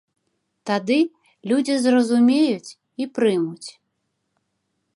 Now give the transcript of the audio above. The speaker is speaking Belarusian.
Тады людзі зразумеюць і прымуць.